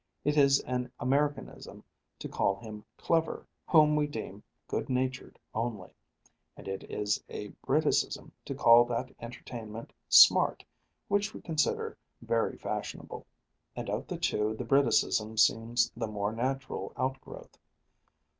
It is an Americanism to call him clever whom we deem good natured only; and it is a Briticism to call that entertainment smart which we consider very fashionable; and of the two the Briticism seems the more natural outgrowth.